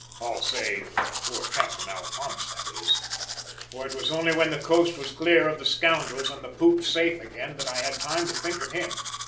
"All save poor Captain Alphonse, that is; for it was only when the coast was clear of the scoundrels and the poop safe again that I had time to think of him.